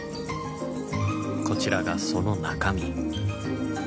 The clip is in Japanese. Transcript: こちらがその中身。